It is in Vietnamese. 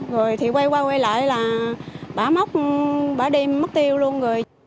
rồi thì quay qua quay lại là bà móc bà đem móc tiêu luôn rồi